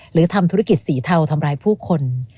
หรือทำธุรกิจสีเทาทำร้ายผู้คน